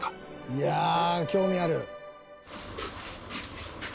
いや興味ある。